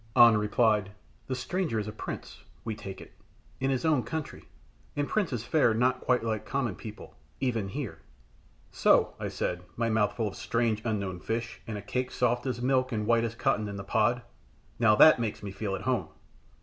An replied, "The stranger is a prince, we take it, in his own country, and princes fare not quite like common people, even here." "So," I said, my mouth full of a strange, unknown fish, and a cake soft as milk and white as cotton in the pod. "Now that makes me feel at home!"